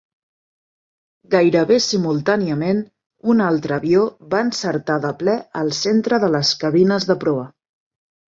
Gairebé simultàniament, un altre avió va encertar de ple al centre de les cabines de proa.